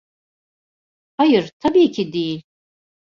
Hayır, tabii ki değil.